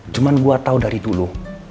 cuman gue tau dari dulu